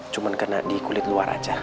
cuma kena di kulit luar saja